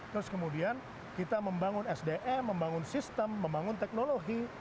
terus kemudian kita membangun sdm membangun sistem membangun teknologi